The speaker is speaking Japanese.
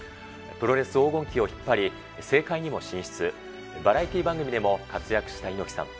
プロレス黄金期を引っ張り、政界にも進出、バラエティー番組でも活躍した猪木さん。